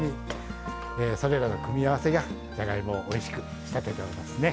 それらの組み合わせがじゃがいもをおいしく仕立てておりますね。